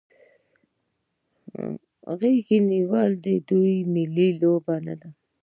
آیا غیږ نیول د دوی ملي لوبه نه ده؟